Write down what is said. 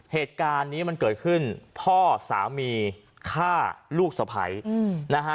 เหตุการณ์นี้มันเกิดขึ้นพ่อสามีฆ่าลูกสะพ้ายนะฮะ